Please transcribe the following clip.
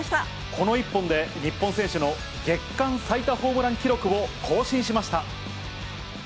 この一本で、日本選手の月間最多ホームラン記録を更新しました。